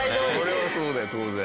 これはそうだよ当然。